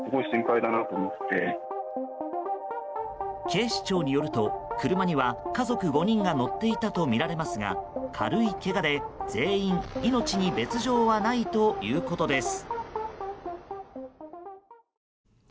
警視庁によると車には家族５人が乗っていたとみられますが軽いけがで全員、命に別条はないということです。